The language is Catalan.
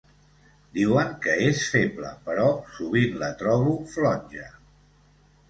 Diuen que és feble, però sovint la trobo flonja.